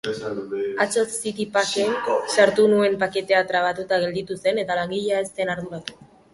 Atzo Citypaq-en sartu nuen paketea trabatuta gelditu zen eta langilea ez zen arduratu.